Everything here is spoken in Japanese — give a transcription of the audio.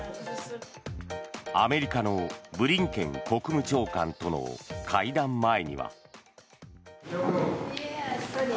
アメリカのブリンケン国務長官との会談前には。